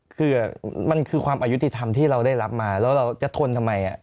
คือมันคือความอายุติธรรมที่เราได้รับมาแล้วเราจะทนทำไม